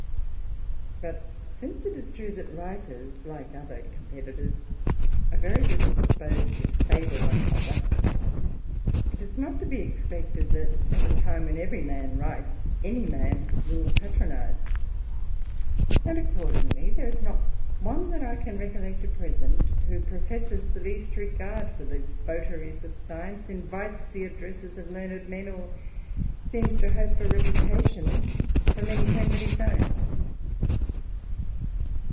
But since it is true, that writers like other competitors, We very little disposed to favour one another, it is not to be expected, that at a time when every man writes, any man ^ patronize ; and accordingly, there is not one that I can ^collect at present who professes the least regard for the votaries of science, invites the addresses of learned men, or Seems to hope for reputation from any pen but his own.